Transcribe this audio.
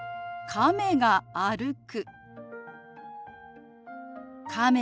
「亀が歩く」。